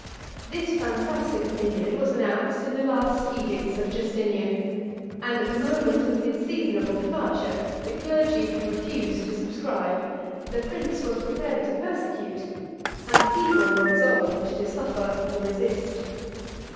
This fantastic opinion was announced in the last edicts of Justinian; and at the moment of his seasonable departure, the clergy had refused to subscribe, the prince was prepared to persecute, and the people were resolved to suffer or resist.